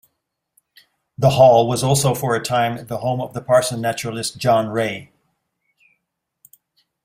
The hall was also for a time the home of the parson-naturalist John Ray.